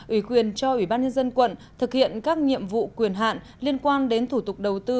ủy quyền cho ủy ban nhân dân quận thực hiện các nhiệm vụ quyền hạn liên quan đến thủ tục đầu tư